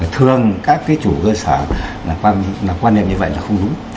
thường các chủ cơ sở là quan niệm như vậy là không đúng